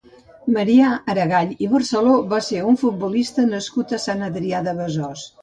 Marià Aragall i Barceló va ser un futbolista nascut a Sant Adrià de Besòs.